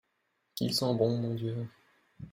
Qu’il sent bon, mon Dieu !